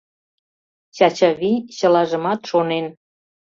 Чачавий чылажымат шонен.